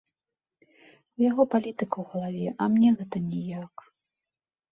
У яго палітыка ў галаве, а мне гэта ніяк.